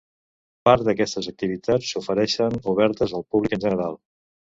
Part d'aquestes activitats s'ofereixen obertes al públic en general.